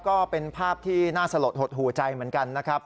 ก็เป็นภาพที่น่าสลดหดหูใจเหมือนกันนะครับ